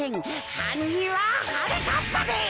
はんにんははなかっぱです！